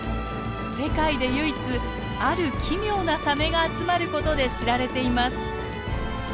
世界で唯一ある奇妙なサメが集まることで知られています。